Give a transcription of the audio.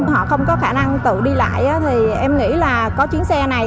họ không có khả năng tự đi lại thì em nghĩ là có chuyến xe này